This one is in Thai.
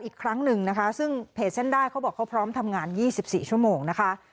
อีกครั้งหนึ่งนะคะซึ่งเพจเส้นได้เขาบอกเขาพร้อมทำงาน๒๔ชั่วโมงนะคะ